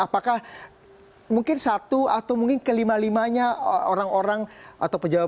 apakah mungkin satu atau mungkin kelima limanya orang orang atau pejabat